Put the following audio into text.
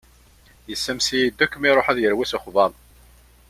Yessames-iyi-d akk mi iṛuḥ ad yerwi s uxebbaḍ.